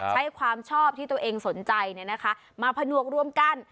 ใช้ความชอบที่ตัวเองสนใจเนี่ยนะคะมาผนวกร่วมกัน